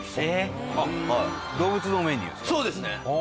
そうですね。